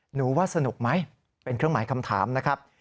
หนูว่าสนุกไหมเป็นเครื่องหมายคำถามนะครับ